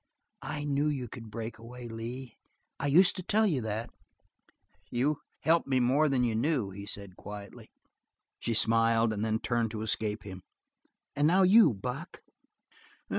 "I knew you could break away, Lee. I used to tell you that." "You helped me more than you knew," he said quietly. She smiled and then turned to escape him. "And now you, Buck?"